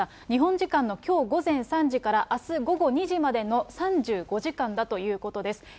日本時間のきょう午前３時からあす午後２時までの３５時間だということです。